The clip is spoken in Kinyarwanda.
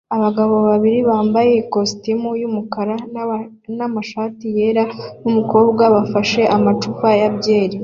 Abagabo babiri bambaye ikositimu y'umukara n'amashati yera n'umukobwa bafashe amacupa ya byeri